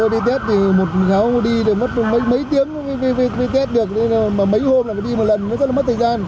đi được mất mấy tiếng mấy hôm là đi một lần rất là mất thời gian